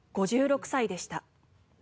５６歳でした。